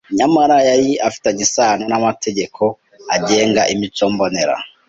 Nyamara yari afitanye isano n’amategeko agenga imico mbonera,